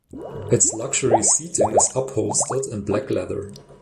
Its luxury seating is upholstered in black leather.